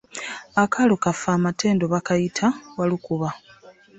Akaalo kaffe amatendo bakayita Walukuba.